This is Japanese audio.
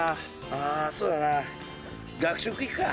あそうだな学食行くか。